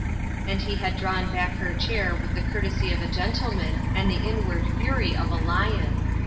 And he had drawn back her chair \\dth the coui'tesy of a gentleman and the inward fury of a lion.